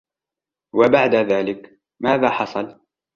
وبعد ذلك، ماذا حصل؟